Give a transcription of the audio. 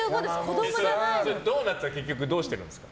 ドーナツは結局どうしているんですか？